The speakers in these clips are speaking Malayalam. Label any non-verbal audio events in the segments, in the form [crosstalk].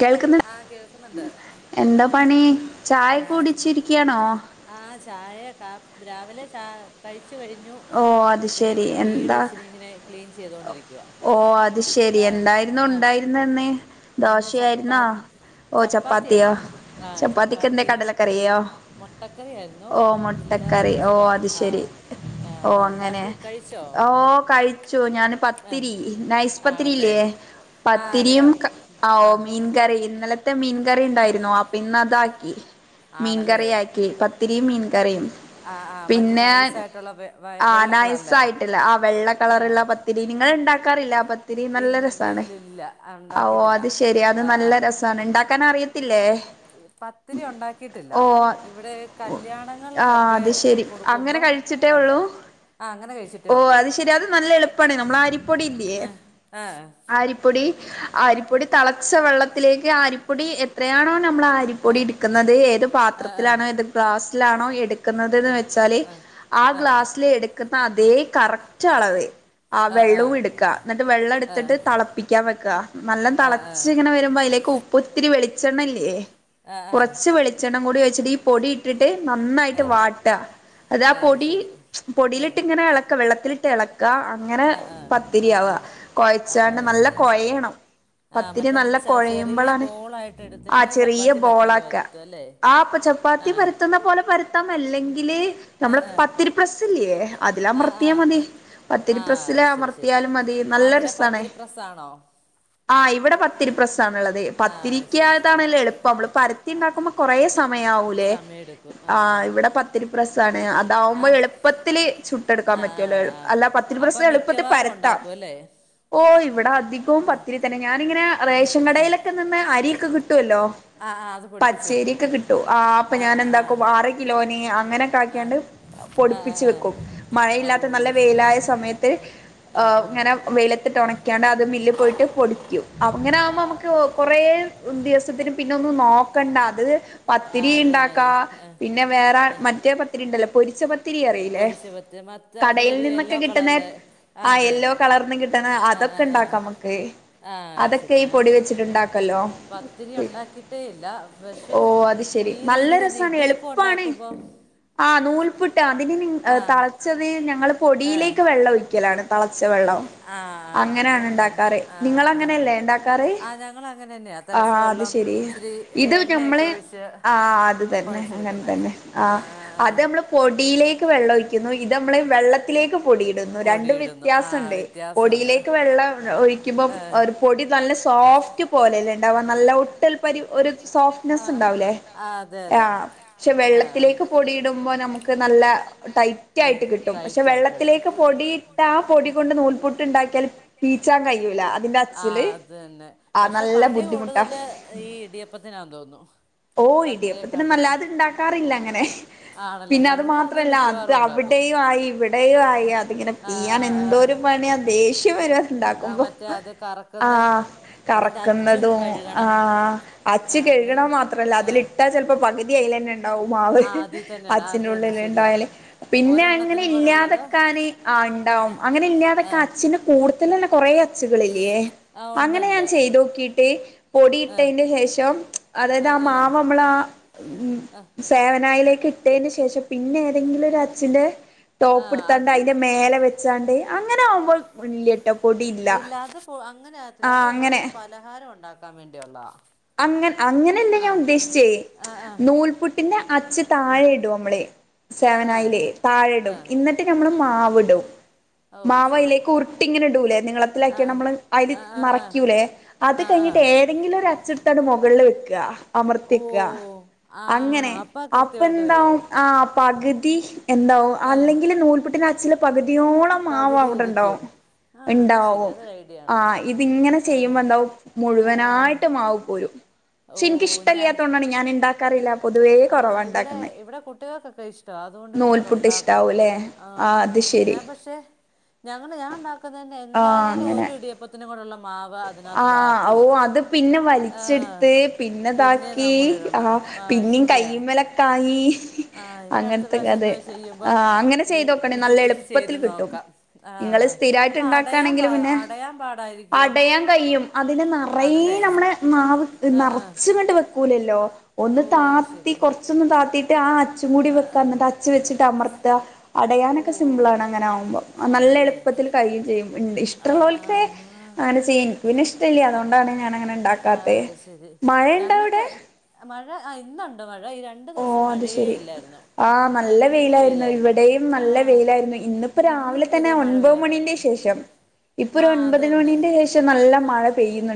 കേൾക്കുന്ന. എന്താ പണി. ചായൊ കുടിച്ചിരിക്ക്യാണോ? ആഹ് ചായ കാ രാവിലെ ചാ കഴിച്ച് കഴിഞ്ഞു. പിന്നെ വീട് ഇച്ചിരി ഇങ്ങനെ ക്ലീൻ ചെയ്തോണ്ടിരിക്കുക. ഓ അത് ശെരി. എന്തായിരുന്നു ണ്ടായിര്ന്നെന്ന് ദോശയായിരുന്നോ? ഓ ചപ്പാത്തിയോ. ചപ്പാത്തിക്കെന്തേ കടലക്കറിയോ? ഓ മൊട്ടക്കറി ഓ അത് ശരി. ഓ അങ്ങനെ. ഓ കഴിച്ചു ഞാന് പത്തിരി. നൈസ്പത്തിരി ഇല്ലേ. പത്തിരിയും ആ ഓ മീൻകറി. ഇന്നലെ ത്തെ മീൻകറിണ്ടായിരുന്നു. അപിന്നതാക്കി. മീൻകറിയാക്കി. പത്തിരിയും മീൻകറിയും. പിന്നെ ഹലോ വെ ആഹ നൈസായിയിട്ടില്ല ആ വെള്ള കളറുള്ള പത്തിരി നിങ്ങ ഉണ്ടാക്കാറില്ല പ ത്തിരി നല്ല രസാണ് ഓ അത് ശെരി അത് നല്ല രസമാണ് ഉണ്ടാക്കാൻ അറിയത്തില്ലേ പത്തിരി ഉണ്ടാക്കി ട്ടില്ല ഇവിടെ കല്യാണങ്ങൾക്കൊക്കെ കൊടുക്കുമ്പം ഉണ്ട് ഓ അത് ശെരി അത് നല്ല എളുപ്പാണ് നമ്മള ആരിപ്പൊടി ഇല്ലയേ ആരിപ്പൊടി ആരിപ്പൊടി തിളച്ച വെള്ളത്തിലേക്ക് ആരിപ്പൊടി എത്രയാണോ നമ്മൾ ആരി പ്പൊടി എടുക്കുന്നത് ഏത് പാത്രത്തിലാണോ ഏത് ഗ്ലാസ്സിലാണോ എടുക്കുന്നതന്ന് വെച്ചാല് ആ ഗ്ലാസ്സില് എടുക്കുന്ന അതേ കറക്റ്റ് അളവേ ആ വെള്ളവും എടുക്കുക എന്നിട്ട് വെള്ള എടുക്ക ന്നിട്ട്വ വെള്ളം എടുത്തിട്ട് തിളപ്പിക്കാൻ വയ്ക നല്ല തിളച്ച് ഇങ്ങനെ വരുമ്പോൾ അതിലേക്ക് ഉപ്പ് ഒത്തിരി വെളിച്ചെണ്ണല്ലേ കുറച്ച് വെളിച്ചെണ്ണം കൂടി ഒയിച്ചിട്ട് ഈ പൊടി ട്ട് നന്നായിട്ട് വാട്ട അത പൊടി പൊടിയിലിട്ട് ഇങ്ങനെ ഇളക്ക വെള്ളത്തിലിട്ട് ഇളക്ക അങ്ങനെ പത്തിരിയാവാ കൊഴച്ചാണ്ട് നല്ല കൊഴയണം പത്തിരി നല്ല കുഴയുമ്പോളാണ് ആ ചെറിയ ബോളാക്ക ആ അപ്പൊ ചപ്പാത്തി പരത്തുന്ന പോലെ പരത്താം അല്ലെങ്കില് നമ്മള് പത്തിരി പ്രസ് ഇല്ലേ അതിലമർത്തിയ മതി പത്തിരിപ്രസില് അമർത്തിയാലും മതി നല്ല രസണേ ആഹ് ഇവിടെ പത്തിരി പ്രസ്സാണ ഉള്ളത് പത്തിരിക്കാതാണെല്ല എളുപ്പം നമ്മള് പരത്തി ഉണ്ടാക്കുമ്പോ കുറ സമയാവൂല്ലേ ഇവിടെ പത്തിരി പ്രസ്സ് അതാവുമ്പോ എളുപ്പത്തില്ൽ ചുട്ടെടുക്കാൻ പറ്റുവല്ലോ അല്ല പത്തിരി പ്രസ്സ് എളുപ്പത്തിൽ പരത്താം ഓ വിട അധി കവുംപത്തിരി തന്നെ ഞാാനിങ്ങനെ റേഷൻ കടയിലൊക്കെ നിന്ന് അരിയൊക്കെ കിട്ടുവല്ലോ ആ അത് പച്ചേരി ഒക്കെ കിട്ടും ആ അപ്പൊ ഞാന എന്താക്കും ആറ് കിലോനെ അങ്ങനെൊക്കെ ക്കിയാണ്പൊടിപ്പിച്ച് വെക്കും മഴയില്ലാത്ത നല്ല വെയിലായ സമയത്ത് ഇങ്ങനെ വെയിലത്തിട്ട് ഉണക്കാണ്ട് അത് മില്ല് പോയിട്ട് പൊടിക്കും അങ്ങനെ ആകുമ്പോ നമുക്ക് കുറേ ദിവസത്തിന് പിന്ന ഒന്നും നോക്കണ്ട അത് പത്തിരി ഉണ്ടാക്ക പിന്നെ വേറെ മറ്റേ പത്തിരി ഉണ്ടല്ലോ പൊരിച്ച പത്തിരി അറിയില്ലേ കടയിൽ നിന്നൊക്കെ കിട്ടുന്ന ആ യെല്ലോ കളർന്ന് കി പെട്ട അതൊക്കെ ഉണ്ടാക്കാം നമക്ക് അതൊക്കെ ഈ പൊടി വെച്ചിട്ടുണ്ടാക്കല്ലോ പത്തിരി ഉണ്ടാക്കിട്ടേ ഇല്ല പക്ഷെ ഈ രീതി തന്നെ ഇടിയപ്പം ഉണ്ടാക്കുമ്പോ ആഹ് നൂൽ ഉപ്പിട്ട അതിന് തിളച്ചത് ഞങ്ങൾ പൊടിയിലേക്ക് വെള്ളം ഒഴിക്കലാണ് തളച്ച വെള്ളം അങ്ങനെയാണ് ഉണ്ടാക്കാറ് നിങ്ങ അങ്ങനെയല്ലേ ഉണ്ടാക്കാറ് ആ അത് ശെരി ഇത് മ്മളെ ആ അത് തന്നെ അങ്ങനെ തന്നെ ആഹ് അത് നമ്മള് പൊടിയിലേക്ക് വെള്ളം ഒഴിക്കുന്നു ഇത് നമ്മള് വെള്ള ത്തിലേക്ക് പൊടിയിടുന്നു രണ്ട് വ്യത്യാസണ്ട് പൊടിയിലേക്ക് വെള്ളം ഒഴിക്കുമ്പം പൊടി നല്ല സോഫ്റ്റ് പോലെല്ലേ ഉണ്ട നല്ല ഒട്ടൽപ്പരി ഒരു സോഫ്റ്റ്നെസ് ഉണ്ടാവല്ലേ ആ പക്ഷെ വെള്ളത്തിലേക്ക് പൊടിയിടുമ്പോ നമുക്ക് നല്ല ടൈറ്റ ആയിട്ട് കിട്ടും പക്ഷെ വെള്ളത്തിലേക്ക് പൊടി ഇട്ട ആ പൊടി കൊണ്ട് നൂൽപൊട്ട് ഉണ്ടാക്കിയാല് പീച്ചാൻ കഴിയൂല അതിന്റെ അച്ച്ല് അഹ് തന്നെ ആ നല്ല ബുദ്ധിമുട്ട് ട്ട ഓ ഇടിയപ്പത്തിന് വല്ലാത് ഉണ്ടാക്കാറില്ല അങ്ങനെ പിന്നെ അത് മാത്രമല്ല അത് അവിടെയും ആയി ഇവി ഇടയ ആയി അതിങ്ങനെ പ്യാൻ എന്തോരു പണിയാ ദേഷ്യ വരി ഉണ്ടാക്കുമ്പോ ആ കറക്കുന്നതും ആഹ് അച്ച കഴുകണ മാത്രല്ല അതിലിട്ടാൽ ചിലപ്പോ പകുതിയയിലന്നെ ആത് അച്ഛന്റെ ഉള്ളില് ഉണ്ടായല്ലേ പിന്നെ അങ്ങനെ ഇല്ലാതെക്കാന് ആ ഉണ്ടാവും അങ്ങനെ ഇല്ലാതെക്ക അച്ചിൻ്റെ കൂടെ തന്നെ ഉള്ള കൊറെ അച്ചുകളില്ലെ അങ്ങനെ ഞാൻ ചെയ്തോക്കിട്ട് പൊടി ഇട്ടയിൻ്റെ ശേഷം അതായത് ആ മാവ്മ്മളാ ആഹ് സേവനായിലേക്ക് ഇട്ടതിന് ശേഷം പിന്നെ ഏതെങ്കിലും ഒരു അച്ഛിൻ്റെ ടോപ്പ് എടുത്താണ്ട് അയിന്റെ മേല വെച്ചാണ്ട് അങ്ങനെ ആവുമ്പോ ഇല്ലട്ടോ ഇല്ല അത് അങ്ങനെ ആകത്തില്ല അത് ഓരോ പലഹാരം ഉണ്ടാക്കാൻ വേണ്ടിയുള്ളാ അങ്ങ അങ്ങനെല്ല ഞാൻ ഉദ്ദേശിച്ചേ നൂൽപുട്ടിന്റെ അച് താഴെ ഇടും നമ്മളെ സെവനായിലേ താഴെ ഇടും ഇന്നിട്ട് നമ്മള് മാവിടും മാവ് അയിലേക്ക് ഉരുട്ടി ഇങ്ങനെ ഇടൂലേ നീളത്തിലാക്കിയാണ്ട് നമ്മള് അയില് നറയ്ക്കൂലേ അത് കഴിഞ്ഞിട്ട് ഏ ഏന്തെങ്കിലും ഒരു അച്ചിട്ടത് മുകളില് വെക്ക അമർത്തി വെക്ക അങ്ങനെ അപ്പ എന്താവും ആ പകുതി എന്താവും അല്ലെങ്കില് നൂൽപുട്ടിന്റെ അച്ഛില് പകുതിയോ മാവ അവിടെണ്ടാവും ഇണ്ടാവും ആ ഇതിങ്ങനെ ചെയ്യുമ്പോ എന്താവും മുഴുവനായിട്ട് മാവു പോരും പക്ഷെ എനിക്ക്ഷ്ടല്ല്യാത്തോണ്ടാണ് ഞാൻ ഇണ്ടാക്കാറില്ല പൊതുവെ ആ ഇവിടെ ഇവിടെ കുട്ടിയക്കൊക്കെ ഇഷ്ട അതുകൊണ്ട് പിന്നെ അത് ഉണ്ടാക്കും ആ ഞാൻ പക്ഷെ ഞങ്ങള് ഞാൻ ഇണ്ടാക്കുന്ന തന്നെ എന്തായാലും ഒരു ഇടിയപ്പ ത്തിനും കൂടെള്ള മാവ് അതിനകത്ത് ബാക്കി വരും പിന്നെ നമ്മളിടണം അഹ് ശരി കയ്യിമ്മലൊക്കായി അങ്ങനത്തൊക്കെ അതെ ആ അങ്ങനെ ചെയ്ത് നോക്കണേ നല്ല എളുപ്പത്തിൽ കിട്ടും ഇങ്ങള് സ്ഥിരായിട്ട് ഉണ്ടാക്കാണെങ്കിലു പിന്നെ അടയാൻ കഴിയും അതില് നെറയേ നമ്മളെ മാവ് നിറച്ച്ങ്ങട്ട് വെക്കൂലല്ലോ ഒന്ന് താത്തി കൊറച്ചൊന്ന് താത്തി ട്ട് ആ അച്ചും കൂടി വെക്കാ എന്നിട്ട് അച്ച് വെച്ചിട്ട് അമർത്ത അടയാനൊക്കെ സിമ്പിൾ ആണ് അങ്ങനെ ആവുമ്പൊ നല്ല എളുപ്പത്തിൽ കഴയും ചെയ്യും ഉണ്ട് ഇഷ്ടള്ളോൽക്ക് അങ്ങനെ ചെയ്യും ഇന്ക്ക് പിന്നെ ഇഷ്ടല്ല്യ അതുകൊണ്ടാണ് ഞാൻ അങ്ങനെ ഇണ്ടാക്കാത്തെ മഴ ഇണ്ടവിടെ അഹ് മഴ ആഹ് ഇന്നുണ്ട് മഴ ഈ രണ്ടു ദിവസം മഴേ ആഹ് നല്ല വെയിലായിരുന്നു ഇവിടെയും നല്ല വെയിലായിരുന്നു ഇന്നിപ്പോ രാവിലെ തന്നെ ഒൻപഹ് മണിന്റെ ശേഷം ഇപ്പൊ ഒരു ഒൻപത് മണിന്റെ ശേഷം നല്ല മഴ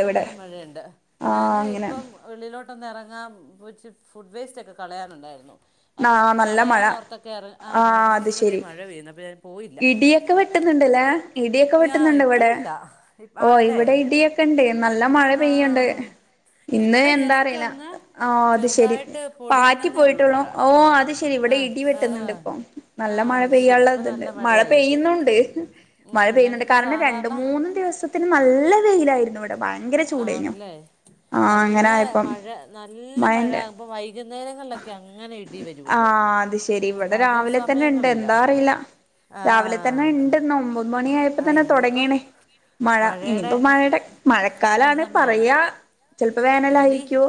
നല്ല മഴണ്ട് ഞാന് ഇപ്പം വെളീലോട്ടൊന്ന് ഇറങ്ങാൻ പോച്ച് ഫുഡ് വേസ്റ്റൊക്കെ കളയാനുണ്ടായിരുന്നു അപ്പൊ കളയാൻ നോർത്തൊക്കെ ഇറ ആ ഇറങ്ങിയപ്പോതേ മഴ പെയ്യുന്നു അപ്പൊ ഞാൻ പോയില്ല ആഹ് ഇപ്പഴില്ല ആണല്ലേ ക്കണ്ട് നല്ല മഴ പെയ്യണ്ട് ഇന്ന് എന്താ അറിയില്ല ആഹ് അത് ശെരി പാറ്റി പോയിട്ടൊള്ളു ഓഹ് അത് ശരി ഇവിടെ ഇടി വെട്ടുന്നുണ്ട് ഇപ്പൊ നല്ല മഴ പെയ്യാനുള്ള ഇതുണ്ട് മഴ പെയ്യുന്നുണ്ട് മഴ പെയ്യുന്നുണ്ട് കാരണം രണ്ട് മൂന്നും ദിവസത്തിന് നല്ല വെയിലായിരുന്നു ഇവ ആണല്ലേ നല്ല മഴ നല്ല മഴാമ്പൊ വൈ കുന്നേരങ്ങളൊ ആഹ് അത് ശരി ഇവിടെ രാവിലെ തന്നെണ്ട് എന്താ അറിയില്ല രാവിലെ തന്നെ ഇണ്ട്ന്ന് ഒമ്പത് മണി ആയപ്പോ തന്നെ തുടങ്ങീണേ മഴ ഇനിയിപ്പോ മഴയുടെ മഴക്കാലാണ് പറയാ ചെൽപ്പോ വേനലായിരിക്കു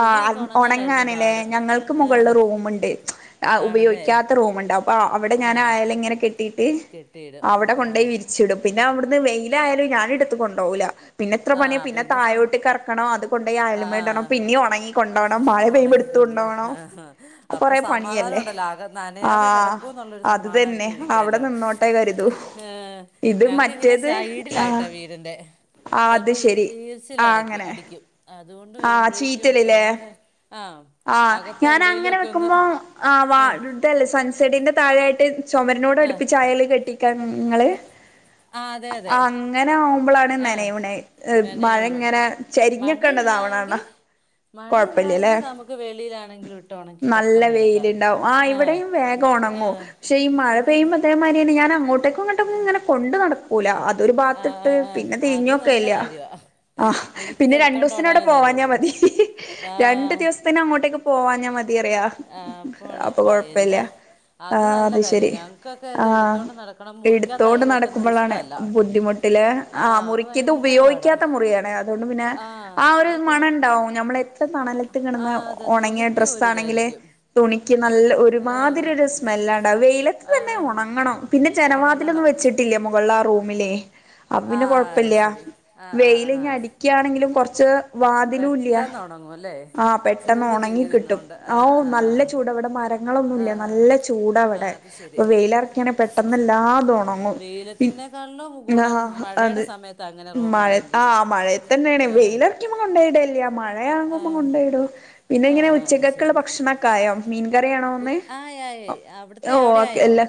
ആഹ് ഉണങ്ങാന്ലേ ഞങ്ങൾക്ക് മു കൾല് റൂമ്ണ്ട് അഹ് ഉപയോഗിക്കാത്ത റൂമ്ണ്ട് അപ്പൊ അവിടെ ഞാൻ അയല് ങ്ങനെ കെ ട്ടീട്ട് അവിടെ കൊണ്ടോയി വിരിച്ചിടും പിന്നെ അവിടുന്ന് വെയിലായാലും ഞാൻ എടുത്ത് കൊണ്ടോഊല പിന്നെ എത്ര പണിയ പിന്നെ തഴോട്ട് കർക്കണം അത് കൊണ്ടോയി അയല്മേടണം പിന്നി ഉണങ്ങി കൊണ്ടോണം മഴ പെയ്യുമ്പൊടു [unintelligible] ഹേ ഹെ അപ്പൊ സമാധാനം ഉണ്ടല്ലോ ആകെ നനയാതെ കിടക്കൂ എന്നുള്ളൊരു മാധാനത്തിലിരിക്കല്ലോ ഏഹ് ഞങ് ക് ഇങ്ങനെ സൈഡിലായിട്ടാ വീടിന്റെ ആഹ് അത് ശരി ആഹ് അങ്ങനെ ആഹ് ചീറ്റലല്ലേ ആഹ് ഞാന് അങ്ങനെ വെക്കുമ്പോ ആഹ് വ ഇതല്ലേ സൺസെഡിന്റെ തായേയായിട്ട് ചുമര്നോട് അടുപ്പിച് അയൽ കെട്ടി കെൻ ങ്ങള് ആം ങ്ങനെ ആഉമ്പളാണ് നനയുണെ മഴ ഇങ്ങനെ ചെരിഞ്ഞക് ത് ഇല്ലാങ്കി മഴയില്ലാങ്കി നമുക്ക് വെളിയിലാണെങ്കിലു ഇട്ട് ഒണക്കി പെട്ടെന്ന് എടുക്കാം ആഹ് എഹ് ആഹ് ഇതിന് തെമായ്രിന്നെ ഞാന് അങ്ങോട്ട്ക് ഏഹ് കൊണ്ട് നടക്കൂല അ അതൊരു ഭാത്തിട്ട് പിന്നെ തിഞ്ഞൊക്കേല്ല്യ അഹ് പിന്നെ രണ്ടൂസ്‌ ഞവ്ടെ പോവാഞാമതി രണ്ടു ദിവസത്തിന് അങ്ങോട്ടേക്ക് പോവാഞാമതി റയ ആഹ് പോണപ്പ എന്താ അത് നല്ല കാര്യം ഞങ്ങക്കൊക്കെ ഇത് എടുത്തോണ്ട് നടക്കണം മുറിക്കാത്തായ കെട്ടുന്നത് ഇഷ്ടല്ല. ആഹ് അത് ഭയങ്കര പാടാ ആഹ്. അഹ് ഇവടെ പിന്നെ ആഹ് അതെ തുണിക്കൊരിതായിരിക്കും. തുണിക്ക് നല്ല ഒരുമാതിരി ഒരു സ്മെല്ലാണ്ടാവ വെയിലത്ത് തന്നെ ഉണങ്ങണം പിന്നെ ജനവാതിലൊന്നും വെച്ചിട്ടില്ലേ മുകൾൽ ആ റൂമിലേ അപ്പൊ പിന്നെ കൊഴപ്പല്ല വെയില് ഇനി അടിക്കയാണെങ്കിലും കൊർ ച്ച് വതിലുല്ല്യ ആഹ് പെട്ടന്ന് ഒണങ്ങി കിട്ടും ആവു നല്ല ചൂട ഇവിടെ മര ങ്ങളൊന്നുല്ല നല്ല ചൂടാ ഇവിടെ അപ്പൊ വെയിലർക്കാണെ പെട്ടെന്ന്ല്ലാതൊണ മ് പി ആ അത് മഴ ആ മഴത്തന്നെയാണ് വെയില് [unintelligible] കൊണ്ടയിടല്ല മഴയാകുമ്പൊ കൊണ്ടോയിടും പിന്നെ എങ്ങനെ ഉച്ചകക്കുള്ള ഭക്ഷണക്കായോ? മീൻ കറാണോ ഇന്ന് ഓ ഓക്കെ അല്ലാ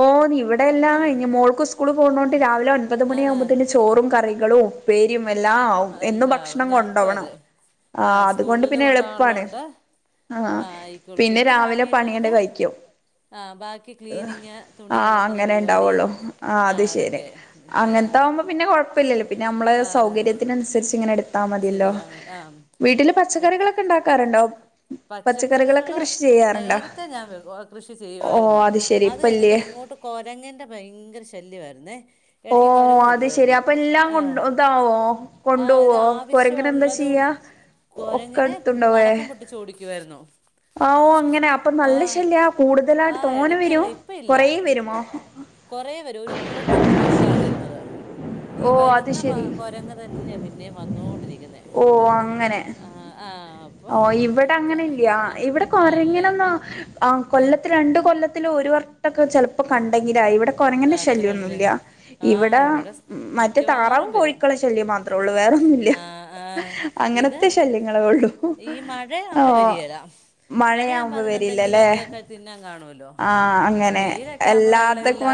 ഓ ഇവെടെല്ലാം ഇനി മോൾക്ക് സ്കൂള് പോകണോണ്ട് രാവിലെ ഒൻപത് മണിയ ആകുമ്പോത്തേന്നെ ചോ ചോറും കറികളും ഉപ്പേരിയും എല്ലാം ആവും എന്നും ഭക്ഷണ ഭഷണം കൊണ്ടോണം ആ അതുകൊണ്ട് പിന്നെ എളുപ്പാണ് ആഹ് പിന്നെ രാവിലെ പണിയാണ്ട് കഴിക്കും. ആഹ് അങ്ങനെ ഉണ്ടാവുള്ളൂ ആ അത് ശരി അങ്ങനത്ത ആകുമ്പോ പിന്നെ കുഴപ്പമില്ലല്ലോ പിന്നെ നമ്മള് സൗകര്യത്തിനനുസരിച്ച് ഇങ്ങനെ എടു ചെയ്താ മതി ആ പച്ച പച്ചകറികൾ നേരത്തെ ഞാൻ കൃഷി ചെയ്യുവായ്രുന്നു അത് കഴിഞ്ഞ പിന്നെ ഇങ്ങോട്ട് കൊരങ്ങിന്റെ ഭയങ്കരം ശല്യമായിയിരുന്നേ ഇടക്ക് കോരങ്ങ് വരുവായിരുന്നു. ആഹ് ആ അത് ആവശ്യം ഉള്ളതും കോരങ്ങിനെ പടക്കം പൊട്ടിച്ച് ഓടിക്കുവായിരുന്നു. ആഹ് ആഹ് എടക്കല്ലേ ഇപ്പ ഇല്ല ഇപ്പ കുറേ വരും ഒരു കൂട്ടം ആയിട്ടാണ് വരുന്നത്. ഈ വരുന്ന മ കൊരങ്ങ്തന്നെ പിന്നയും വന്നോണ്ടിരിക്കുന്നേ ആഹ് ആഹ് ഓ ഇവിടെ അങ്ങനെ ഇല്ലയാ ഇവിടെ കൊറെങ്ങനൊന്നും ആഹ് കൊല്ലത്തിൽ രണ്ട് കൊല്ലത്തി ഒരു വർട്ടൊക്കെ ചെല കണ്ടേങ്കിലായി ഇവിടെ കൊരങ്ങന്റെ ശല്യന്നുല്ല ഇവിടെ മറ്റ താറാവും കോഴക്കള് ശല്യം മാത്രേ ഒള്ളൂ വേറൊന്നുമല്ല അങ്ങനത്തെ ശല്യങ്ങളേ ഒള്ളൂ. ഈ മഴ ആവുമ്പോ വരികേല മഴയാവുമ്പോ വരില്ലല്ലേ ആഹ് അങ്ങനെ എല്ലാത്തക്കും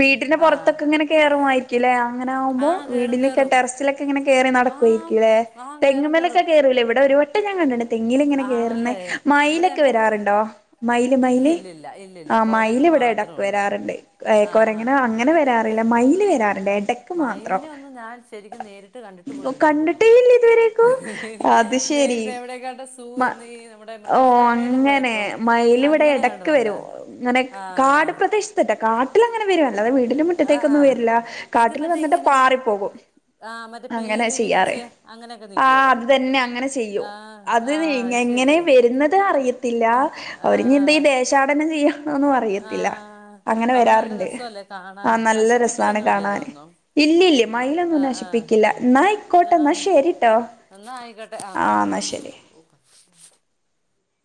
വീട്ടന്റെ പുറത്തൊക്കെ ഇങ്ങനെ കയറുമായിരിക്കുല്ലേ അങ്ങനാകുമ്പോൾ വീടിനൊക്കെ ടെറസിലൊ ഇങ്ങനെ കേറി നടക്കുവയിരിക്കുല്ലേ. തെങ്ങുമലൊക്കെ കേയറൂലോ ഇവിടെ ഒരു വട്ടം ഞാൻ കണ്ട്ക്കണ് തെങ്ങിലിങ്ങനെ കേറുണത് മൈലൊക്കെ വരാറുണ്ടോ. മയിൽ മയിൽ ആ മയിൽ ഇവിടെ ഇടക്ക് വരാറുണ്ട് കൊരങ്ങനെ അങ്ങനെ വ രാറില്ല മയിൽ വരാറണ്ട് എട മയിലിനെ ഒന്നും ഞാൻ ശരിക്കും നേരിട്ട് കണ്ടിട്ട് പോലുമില്ലന്ന് തോന്നുന്നു നേരിട്ട് എവിടെക്കാണ്ട സൂ ന്ന് നമ്മുടെ മൃഗശാലയില് പോയപ്പം. മയിൽ ഇവിടെ എടക്ക് വരും അങ്ങനെ കാട് പ്രദേശത്തറ്റാ കാട്ടിൽ അങ്ങനെ വരും അല്ലതെ വീടിന്റെ മു റ്റത്തേക്കൊന്നും വരില്ല. ഇത് വീട്ടിൽ വന്നിട്ട് പാറി പോകും. അങ്ങനെ ചെയ്യാറേ ആ അത് തന്നെ അങ്ങനെ ചെയ്യും അത് എങ്ങനെ വരുന്നത് അറിയത്തില്ല അവര് ഇഞ് എന്തേ ദേശാടനം ചെയ്യാ. ഒന്നും അറിയത്തില്ല അങ്ങനെ വരാറുണ്ട് ആഹ് നല്ല രസമാണ് കാണാൻ. ഇല്ല ഇല്ലേ മലയിലൊന്നും നശിപ്പിക്കില്ല എന്നാ അയികോട്ട എന്ന ശരിട്ടോ. എന്നാ ആയിക്കോട്ടെ. ആ എന്നാ ശരി. [inaudible]